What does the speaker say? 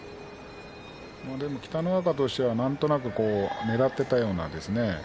でも、北の若としてはなんとなくねらっていたような。